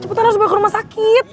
cepetan harus balik rumah sakit